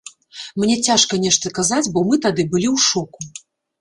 Мне цяжка нешта казаць, бо мы тады былі ў шоку.